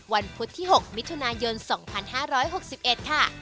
พุธที่๖มิถุนายน๒๕๖๑ค่ะ